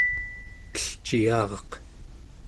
elciyaraq